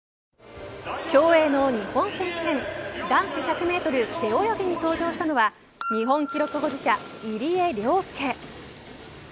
競泳の日本選手権男子１００メートル背泳ぎに登場したのは日本記録保持者、入江陵介。